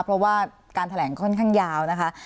เพราะว่าการแถลงค่อนข้างยาวนะคะ